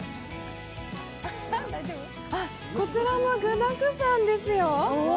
こちらも具だくさんですよ。